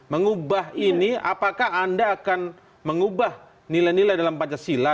mengubah ini apakah anda akan mengubah nilai nilai dalam pancasila